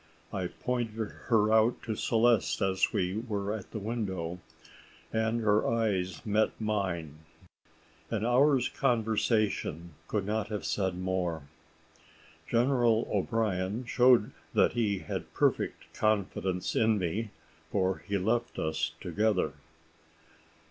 I pointed her out to Celeste as we were at the window, and her eyes met mine. An hour's conversation could not have said more. General O'Brien showed that he had perfect confidence in me, for he left us together.